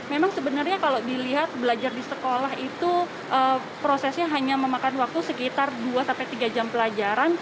memang sebenarnya kalau dilihat belajar di sekolah itu prosesnya hanya memakan waktu sekitar dua tiga jam pelajaran